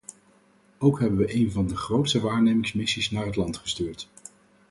Ook hebben we een van de grootste waarnemingsmissies naar het land gestuurd.